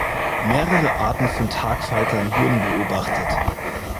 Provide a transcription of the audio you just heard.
Mehrere Arten von Tagfaltern wurden beobachtet.